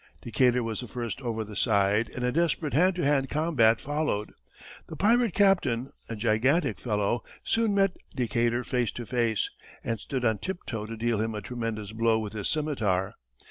Decatur was the first over the side and a desperate hand to hand combat followed. The pirate captain, a gigantic fellow, soon met Decatur face to face, and stood on tiptoe to deal him a tremendous blow with his scimitar.